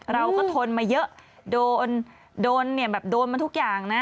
เราก็ทนมาเยอะโดนเนี่ยแบบโดนมาทุกอย่างนะ